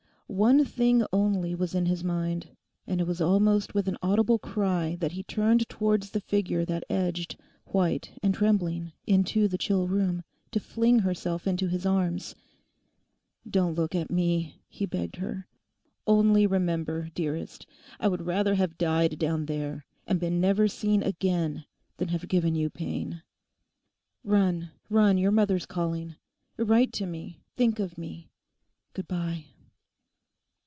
One thing only was in his mind; and it was almost with an audible cry that he turned towards the figure that edged, white and trembling, into the chill room, to fling herself into his arms. 'Don't look at me,' he begged her, 'only remember, dearest, I would rather have died down there and been never seen again than have given you pain. Run—run, your mother's calling. Write to me, think of me; good bye!